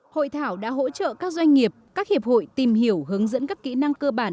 hội thảo đã hỗ trợ các doanh nghiệp các hiệp hội tìm hiểu hướng dẫn các kỹ năng cơ bản